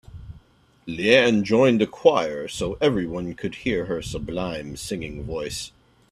Leanne joined a choir so everyone could hear her sublime singing voice.